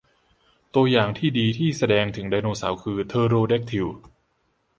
ตัวอย่างที่ดีที่แสดงถึงไดโนเสาร์คือเทอโรแด็กทิล